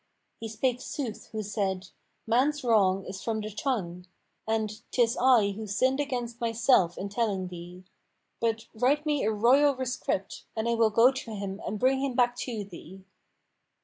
He spake sooth who said, 'Man's wrong is from the tongue;'[FN#482] and 'tis I who sinned against myself in telling thee. But write me a royal rescript[FN#483] and I will go to him and bring him back to thee."